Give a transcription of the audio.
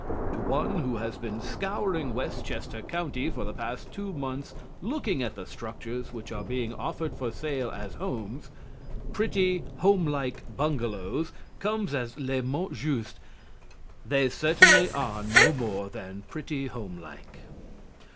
To one who has been scouring Westchester County for the past two months looking at the structures which are being offered for sale as homes, "pretty home like bungalows" comes as le mot juste. They certainly are no more than pretty home like.